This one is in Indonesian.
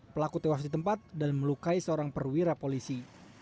pelaku tewas di tempat dan melukai seorang perwira polisi